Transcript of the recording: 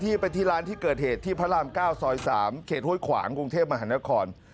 ไปที่ร้านที่เกิดเหตุที่พระราม๙ซอย๓เขตห้วยขวางกรุงเทพมหานคร